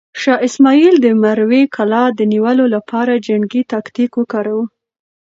شاه اسماعیل د مروې کلا د نیولو لپاره جنګي تاکتیک وکاراوه.